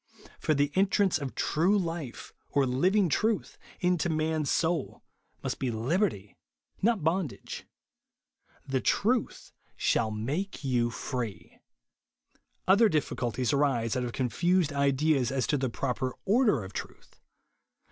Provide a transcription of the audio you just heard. For the entrance of true life, or living truth, into man's soul, must be liberty, not bondage. •' The ivuth shall make you free." Other difficulties arise out of confused JESUS ONLY. 189 ideas as to the proper order of truth.